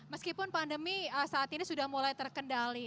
meskipun pandemi saat ini sudah mulai terkendali